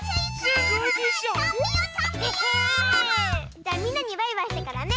じゃみんなにバイバイしてからね。